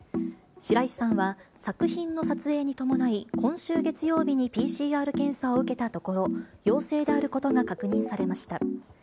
白石さんは作品の撮影に伴い、今週月曜日にＰＣＲ検査を受けたところ、陽性であることが確認されました。